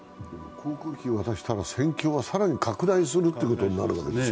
航空機を渡したら更に戦況は拡大するということになるわけですよね？